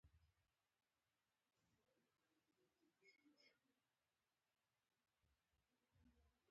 پکتیا د افغانستان د سیلګرۍ برخه ده.